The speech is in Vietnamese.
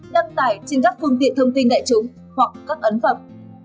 đăng tải trên các phương tiện thông tin đại chúng hoặc các ấn phẩm